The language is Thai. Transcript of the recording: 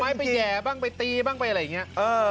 ไปแห่บ้างไปตีบ้างไปอะไรอย่างนี้